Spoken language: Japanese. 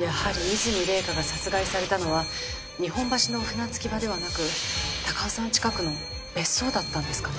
やはり和泉礼香が殺害されたのは日本橋の船着き場ではなく高尾山近くの別荘だったんですかね。